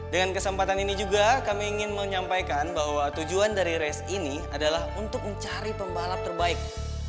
dengan kesempatan ini juga kami ingin menyampaikan bahwa tujuan dari race ini adalah untuk mencari pembalap terbaik